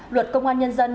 luật công an nhân dân